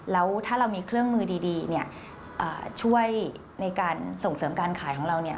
แล้วถ้าเรามีเครื่องมือดีเนี่ยช่วยในการส่งเสริมการขายของเราเนี่ย